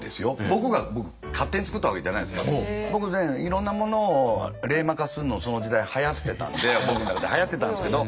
僕が勝手に作ったわけじゃないんですけど僕ねいろんなものを冷マ化するのその時代はやってたんで僕の中ではやってたんですけど。